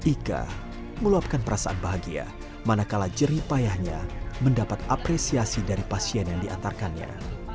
ika meluapkan perasaan bahagia manakala jerih payahnya mendapat apresiasi dari pasien yang diantarkannya